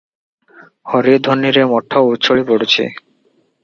ହରିଧ୍ୱନିରେ ମଠ ଉଛୁଳି ପଡ଼ୁଛି ।